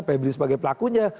pebri sebagai pelakunya